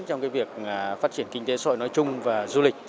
trong việc phát triển kinh tế sội nói chung và du lịch